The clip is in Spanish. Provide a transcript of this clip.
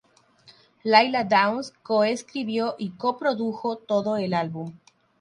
Lila Downs coescribió y coprodujo todo el álbum.